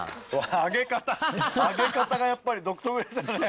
上げ方上げ方がやっぱり独特ですね。